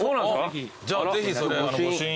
じゃあぜひそれ御朱印。